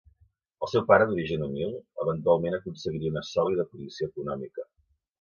El seu pare, d'origen humil, eventualment aconseguiria una sòlida posició econòmica.